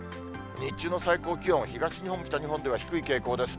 日中の最高気温、東日本、北日本では低い傾向です。